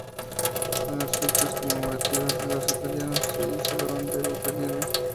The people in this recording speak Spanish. En las fechas conmemorativas de los italianos se iza la bandera italiana.